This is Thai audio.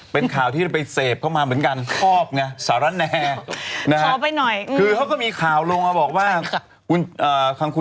เป็นข่าวที่ไปเสพเข้ามาเหมือนกันครอบเนี่ยสารแนคือเขาก็มีข่าวลงมาบอกว่า